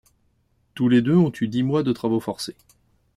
Tous les deux ont eu dix mois de travaux forcés.